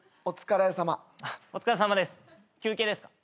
お疲れさまです。